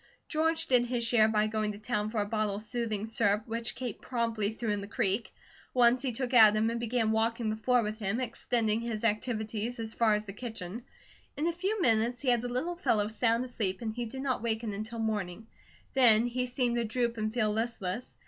George did his share by going to town for a bottle of soothing syrup, which Kate promptly threw in the creek. Once he took Adam and began walking the floor with him, extending his activities as far as the kitchen. In a few minutes he had the little fellow sound asleep and he did not waken until morning; then he seemed to droop and feel listless.